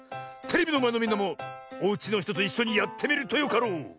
テレビのまえのみんなもおうちのひとといっしょにやってみるとよかろう。